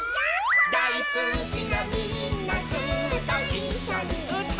「だいすきなみんなずっといっしょにうたおう」